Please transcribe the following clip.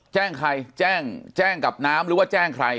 แจ้งใครแจ้งแจ้งกับน้ำหรือว่าแจ้งใคร